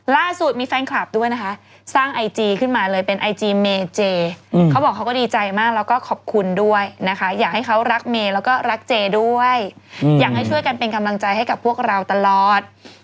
ล่าสุดมีแฟนคลับด้วยนะคะสร้างไอจีขึ้นมาเลยเป็นไอจีเมเจเขาบอกเขาก็ดีใจมากแล้วก็ขอบคุณด้วยนะคะอยากให้เขารักเมย์แล้วก็รักเจด้วยอยากให้ช่วยกันเป็นกำลังใจให้กับพวกเราตลอด